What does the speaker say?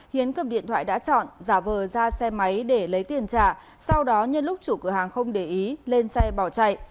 hiến cầm điện thoại đã chọn giả vờ ra xe máy để lấy tiền trả sau đó nhân lúc chủ cửa hàng không để ý lên xe bỏ chạy